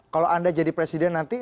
kalau anda jadi presiden nanti